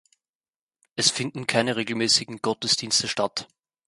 Es finden keine regelmäßigen Gottesdienste statt.